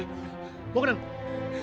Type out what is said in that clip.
bawa ke dalam